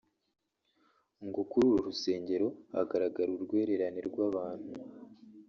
ngo kuri uru rusengero hagaragaraga urwererane rw’abantu